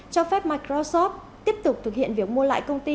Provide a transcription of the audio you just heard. cho phép microsoft tiếp tục thực hiện việc mua lại công ty